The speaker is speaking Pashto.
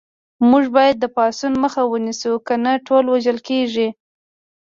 موږ باید د پاڅون مخه ونیسو کنه ټول وژل کېږو